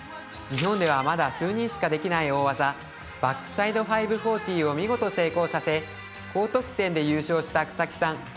日本ではまだ数人しかできない大技、バックサイド５４０を見事成功させ高得点で優勝した草木さん。